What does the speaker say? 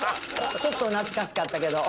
ちょっと懐かしかったけど。